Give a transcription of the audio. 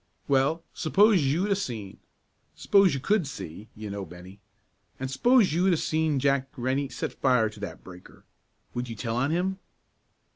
"Well, s'pose you'd 'a' seen s'pose you could see, you know, Bennie an' s'pose you'd 'a' seen Jack Rennie set fire to that breaker; would you tell on him?"